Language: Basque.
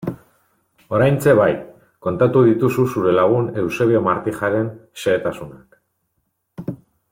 Oraintxe bai, kontatu dituzu zure lagun Eusebio Martijaren xehetasunak...